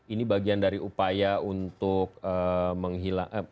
ini bagian dari upaya untuk menghilangkan